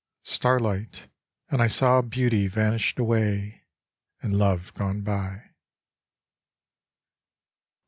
Starlight, and I Saw beauty vanished away And love gone by.